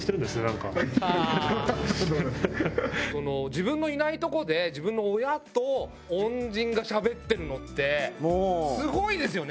自分のいないとこで自分の親と恩人がしゃべってるのってすごいですよね。